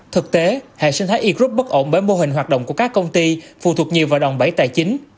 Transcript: thực tế hệ sinh thái egroup bất ổn bởi mô hình hoạt động của các công ty phù thuộc nhiều vào đòn bẫy tài chính